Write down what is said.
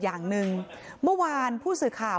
จ้าคนนิสตีไหมจริงใช่ไหม